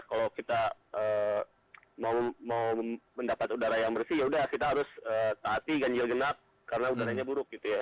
kalau kita mau mendapat udara yang bersih ya udah kita harus hati gajil genap karena udaranya buruk gitu ya